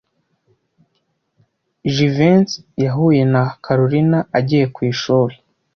Jivency yahuye na Kalorina agiye ku ishuri.